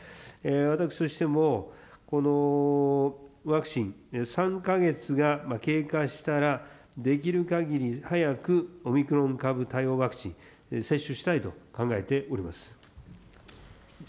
私としても、このワクチン、３か月が経過したら、できるかぎり早く、オミクロン株対応ワクチン、接種したいと考えております。